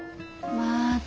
また。